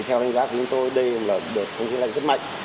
theo đánh giá của chúng tôi đây là đợt không khí lạnh rất mạnh